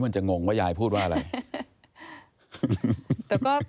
หรือจะงงว่ายายพูดว่าอะไร